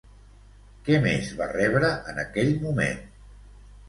Què més va rebre en aquell moment?